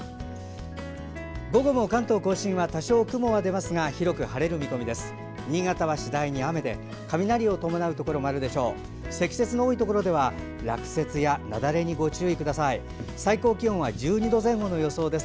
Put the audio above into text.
午後も関東・甲信は多少、雲が出ますが広く晴れる見込みです。